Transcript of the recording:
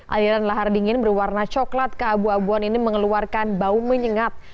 aliran lahar dingin berwarna coklat keabu abuan ini mengeluarkan bau menyengat